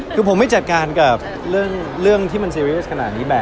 เพราะมันเป็นสิ่งที่คนเราควรจะภูมิใจ